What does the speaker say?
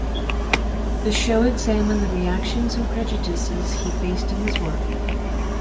The show examined the reactions and prejudices he faced in his work.